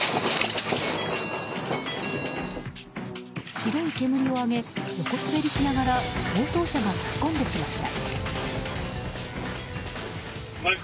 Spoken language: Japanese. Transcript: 白い煙を上げ、横滑りしながら暴走車が突っ込んできました。